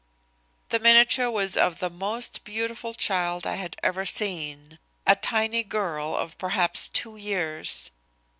The miniature was of the most beautiful child I had ever seen, a tiny girl of perhaps two years.